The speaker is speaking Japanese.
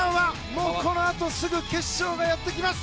もうこのあとすぐ決勝がやってきます！